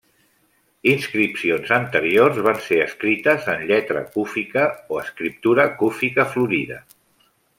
Inscripcions anteriors van ser escrites en lletra cúfica o escriptura cúfica florida.